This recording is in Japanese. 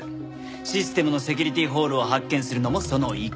システムのセキュリティーホールを発見するのもその一環。